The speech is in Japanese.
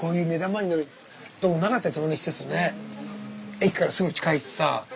駅からすぐ近いしさ。